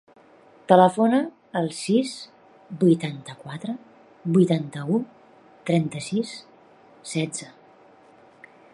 Telefona al sis, vuitanta-quatre, vuitanta-u, trenta-sis, setze.